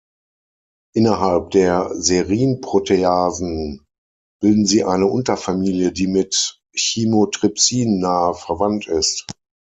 Innerhalb der Serinproteasen bilden sie eine Unterfamilie, die mit Chymotrypsin nahe verwandt ist.